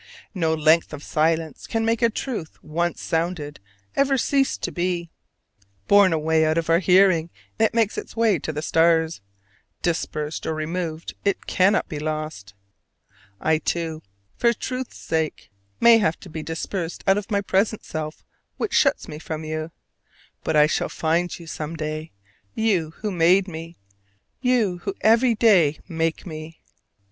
No length of silence can make a truth once sounded ever cease to be: borne away out of our hearing it makes its way to the stars: dispersed or removed it cannot be lost. I too, for truth's sake, may have to be dispersed out of my present self which shuts me from you: but I shall find you some day, you who made me, you who every day make me!